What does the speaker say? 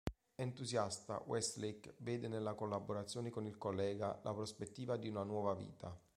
Entusiasta, Westlake vede nella collaborazione con il collega la prospettiva di una nuova vita.